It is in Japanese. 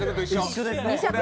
一緒ですね。